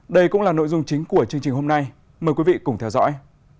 đây cũng là nội dung chính của chương trình hôm nay mời quý vị cùng theo dõi